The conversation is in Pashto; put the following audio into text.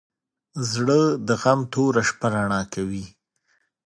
زړه د غم توره شپه رڼا کوي.